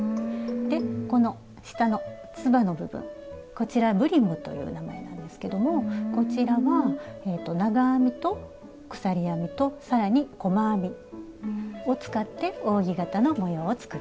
でこの下のつばの部分こちら「ブリム」という名前なんですけどもこちらは長編みと鎖編みと更に細編みを使って扇形の模様を作ってます。